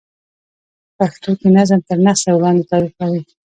په پښتو کښي نظم تر نثر وړاندي تاریخ لري.